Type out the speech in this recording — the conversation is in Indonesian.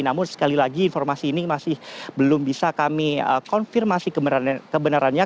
namun sekali lagi informasi ini masih belum bisa kami konfirmasi kebenarannya